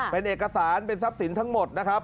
เป็นเอกสารเป็นทรัพย์สินทั้งหมดนะครับ